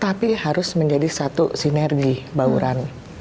tapi harus menjadi satu sinergi bauran